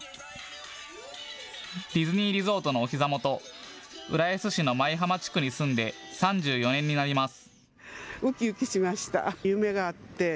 ディズニーリゾートのおひざ元、浦安市の舞浜地区に住んで３４年になります。